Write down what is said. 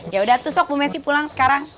ya udah tuh sok bu messi pulang sekarang